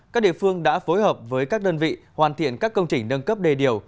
các địa phương đã phối hợp với các đơn vị hoàn thiện các công trình nâng cấp đề điều